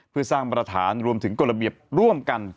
เพื่อสร้างมาตรฐานรวมถึงกฎระเบียบร่วมกัน